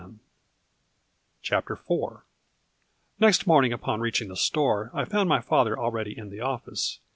19 CHAPTER IV. Next morning upon reaching the store I found my father already in the office.